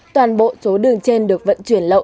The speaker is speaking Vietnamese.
toàn bộ số đường trên được vận chuyển lộ